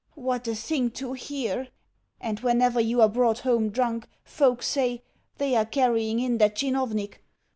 What a thing to hear! And whenever you are brought home drunk folk say, "They are carrying in that tchinovnik."